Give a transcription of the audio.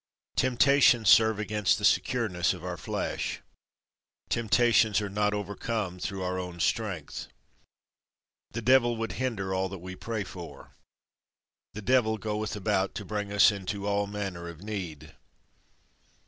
Temptations serve against the secureness of our flesh. Temptations are not overcome through our own strength. The devil would hinder all that we pray for. The devil goeth about to bring us into all manner of need.